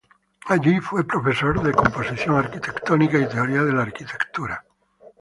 Allí fue profesor de Composición Arquitectónica y Teoría de la Arquitectura.